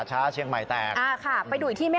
หลบ